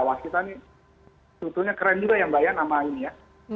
wah kita ini sebetulnya keren juga ya mbak ya nama ini ya